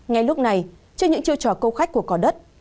ngay lúc này cho những chiêu trò câu khách của cò đất